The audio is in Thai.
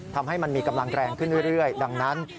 ทำให้มันมีกำลังแรงขึ้นเรื่อยดังนั้น